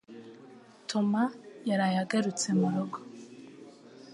Toma yaraye agarutse murugo